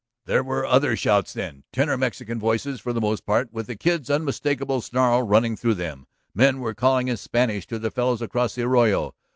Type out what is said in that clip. There were other shouts then, tenor Mexican voices for the most part with the Kid's unmistakable snarl running through them. Men were calling in Spanish to their fellows across the arroyo.